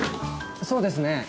そうですねぇ。